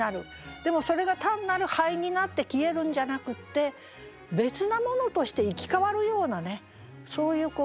でもそれが単なる灰になって消えるんじゃなくって別なものとして生き変わるようなねそういう不思議な。